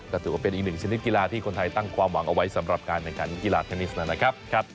ก็ถือว่าเป็นอีกหนึ่งชนิดกีฬาที่คนไทยตั้งความหวังเอาไว้สำหรับการแข่งขันกีฬาเทนนิสนะครับ